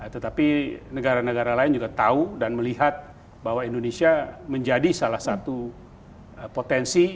tetapi negara negara lain juga tahu dan melihat bahwa indonesia menjadi salah satu potensi